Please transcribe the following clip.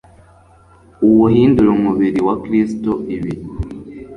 uwuhindure umubiri wa kristu, ibi